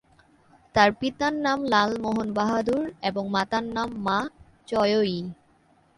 তার পিতার নাম লালমোহন বাহাদুর এবং মাতার নাম মা চয়ই।